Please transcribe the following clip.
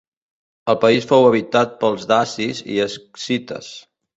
El país fou habitat pels dacis i escites.